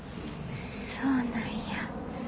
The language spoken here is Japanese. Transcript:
そうなんや。